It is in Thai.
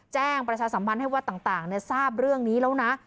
แจ้งประชาสำบันให้ว่าต่างต่างเนี่ยทราบเรื่องนี้แล้วนะ